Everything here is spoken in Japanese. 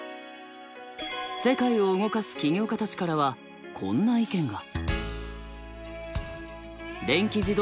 世界を動かす起業家たちからはこんな意見が。